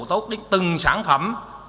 tốt đến từng sản phẩm